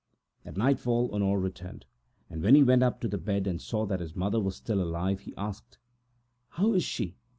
At nightfall Honore returned, and when he went up to the bed and saw that his mother was still alive he asked: "How is she?"